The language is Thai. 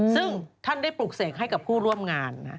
ซึ่งท่านได้ปลูกเสกให้กับผู้ร่วมงาน